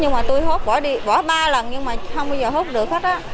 nhưng mà tôi hốt bỏ đi bỏ ba lần nhưng mà không bao giờ hốt được hết